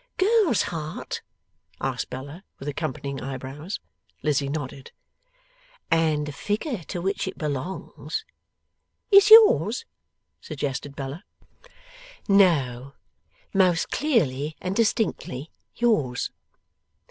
'Girl's heart?' asked Bella, with accompanying eyebrows. Lizzie nodded. 'And the figure to which it belongs ' 'Is yours,' suggested Bella. 'No. Most clearly and distinctly yours.